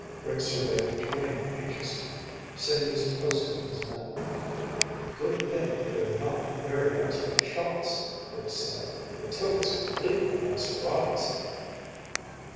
Rick surveyed the terrain anxiously. Sing was posting his men. "A good thing they're not very expert shots," Rick said. "They took us completely by surprise."